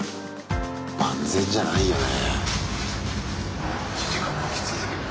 万全じゃないよね。